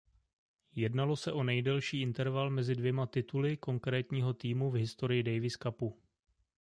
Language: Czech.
Jednalo se o nejdelší interval mezi dvěma tituly konkrétního týmu v historii Davis Cupu.